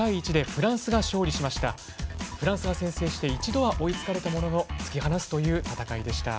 フランスが先制して一度は追いつかれたものの突き放すという戦いでした。